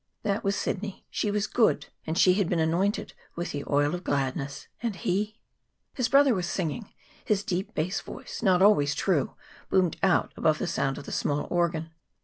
That was Sidney. She was good, and she had been anointed with the oil of gladness. And he His brother was singing. His deep bass voice, not always true, boomed out above the sound of the small organ.